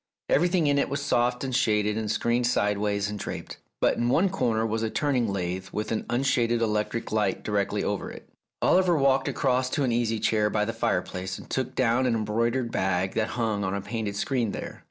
Everything in it was soft and shaded and screened sideways and draped. But in one corner was a turning lathe with an unshaded electric light directly over it. Oliver walked across to an easy chair by the fire place, and took down an embroidered bag that hung on a painted screen there.